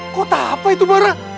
kota apa itu barat